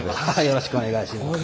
よろしくお願いします。